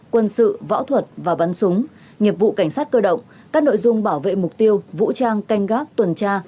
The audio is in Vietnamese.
quân sự võ thuật và bắn súng nghiệp vụ cảnh sát cơ động các nội dung bảo vệ mục tiêu vũ trang canh gác tuần tra